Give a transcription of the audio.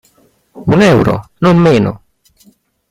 Un euro, non meno!